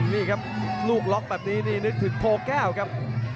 นี่ครับลูกล็อกแบบนี้นี่นึกถึงโพแก้วครับ